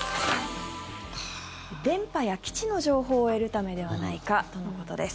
電波や基地の情報を得るためではないかとのことです。